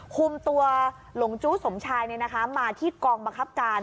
คุมตัวหลงจู้สมชายมาที่กองบังคับการ